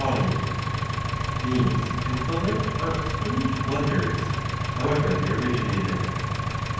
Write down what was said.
body; these and the like are strange blunders, however they originated.